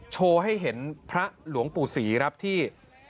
โชว์ให้เห็นพระหลวงปู่ศรีครับที่